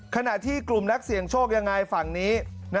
ขณะที่กลุ่มนักเสี่ยงโชคยังไงฝั่งนี้